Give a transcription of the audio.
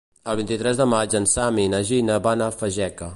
El vint-i-tres de maig en Sam i na Gina van a Fageca.